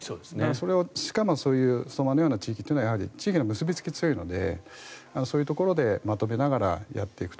しかも相馬のような地域というのは地域の結びつきが強いのでそういうところでまとめながらやっていくと。